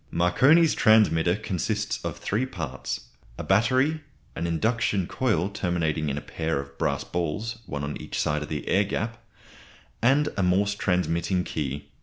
Marconi's transmitter consists of three parts a battery; an induction coil, terminating in a pair of brass balls, one on each side of the air gap; and a Morse transmitting key.